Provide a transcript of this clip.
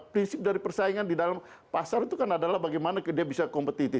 prinsip dari persaingan di dalam pasar itu kan adalah bagaimana dia bisa kompetitif